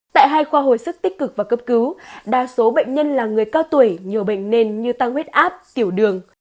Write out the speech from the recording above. tại hai khoa hồi sức tích cực và cấp cứu đa số bệnh nhân là người cao tuổi nhiều bệnh nền như tăng huyết áp tiểu đường